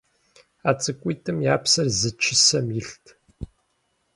А цӏыкӏуитӏым я псэр зы чысэм илът.